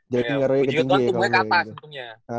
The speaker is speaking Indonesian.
jadi itu kan tubuhnya kata seuntungnya